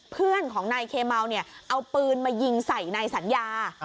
เพื่อนของนายเคเมาเนี่ยเอาปืนมายิงใส่นายสัญญา